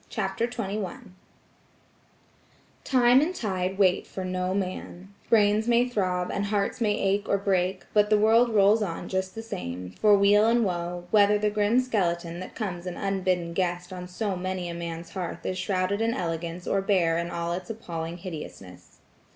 CHAPTER XXI Time and tide wait for no man; brains may throb, and hearts may ache or break, but the world rolls on just the same, for weal and woe, whether the grim skeleton that comes an unbidden guest on so many a man's hearth is shrouded in elegance or bare in all its appalling hideousness.